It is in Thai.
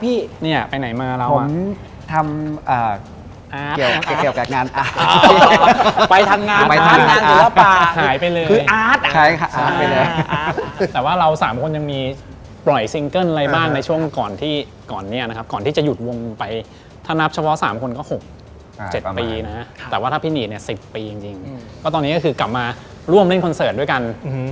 อเจมส์ไปไหนมาครับพี่ผมทำเกี่ยวกับงานอาร์ตไปทางงานหรือว่าปลาหายไปเลยคืออาร์ตอ่ะแต่ว่าเราสามคนยังมีปล่อยซิงเกิ้ลอะไรบ้างในช่วงก่อนที่จะหยุดวงไปถ้านับเฉพาะสามคนก็๖๗ปีนะแต่ว่าถ้าพี่นีดเนี่ย๑๐ปีจริงก็ตอนนี้ก็คือกลับมาร่วมเล่นคอนเสิร์ตด้วยกัน